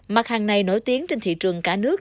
mặt hàng này nổi tiếng trên thị trường cả nước